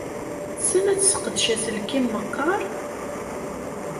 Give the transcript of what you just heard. Tessen ad tesseqdec aselkim meqqar?